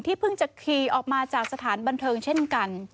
เพิ่งจะขี่ออกมาจากสถานบันเทิงเช่นกัน